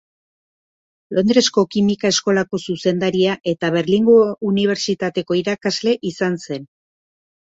Londresko Kimika Eskolako zuzendaria eta Berlingo unibertsitateko irakasle izan zen.